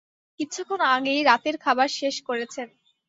কিছুক্ষণ আগেই রাতের খাবার শেষ করেছেন।